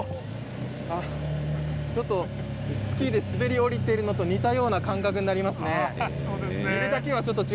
ちょっとスキーで滑り降りているのと似たような感覚になりますね。